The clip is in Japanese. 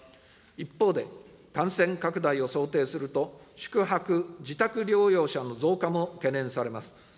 一方で、感染拡大を想定すると、宿泊・自宅療養者の増加も懸念されます。